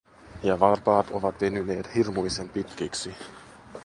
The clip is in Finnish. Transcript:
Ja varpaat ovat venyneet hirmuisen pitkiksi.